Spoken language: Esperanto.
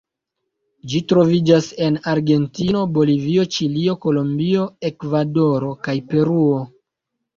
Ĝi troviĝas en Argentino, Bolivio, Ĉilio, Kolombio, Ekvadoro, kaj Peruo.